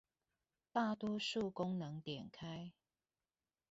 大多數功能點開